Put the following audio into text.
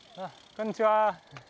こんにちは。